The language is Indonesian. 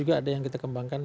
ada yang kita kembangkan